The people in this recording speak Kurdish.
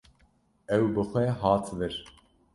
Ew bi xwe hat vir.